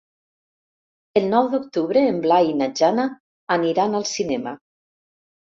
El nou d'octubre en Blai i na Jana aniran al cinema.